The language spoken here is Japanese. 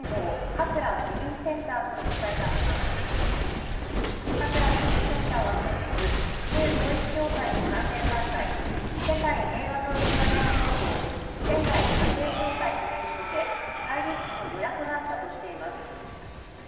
桂市民センターは当日、旧統一教会の関連団体世界平和統一家庭連合仙台家庭教会の名称で会議室の予約があったとしています。